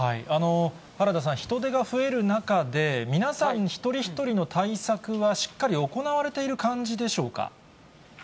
原田さん、人出が増える中で、皆さん一人一人の対策はしっかり行われている感じでしょうか。